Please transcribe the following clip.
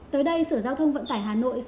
tới đây sở giao thông vận tải hà nội